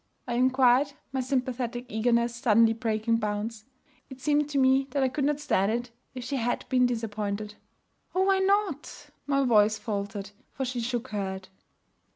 I inquired, my sympathetic eagerness suddenly breaking bounds. It seemed to me that I could not stand it if she had been disappointed. 'Oh! why not?' My voice faltered, for she shook her head.